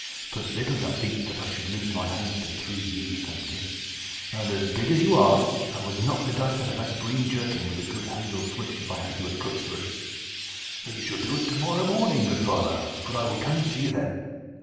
But little did I think that I should lose my homestead through you, Samkin, and big as you are I would knock the dust out of that green jerkin with a good hazel switch if I had you at Crooksbury." "Then you shall do it to morrow morning, good father, for I will come and see you then.